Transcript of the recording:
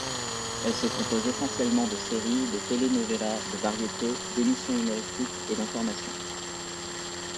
Elle se compose essentiellement de séries, de telenovelas, de variétés, d'émissions humoristiques et d'informations.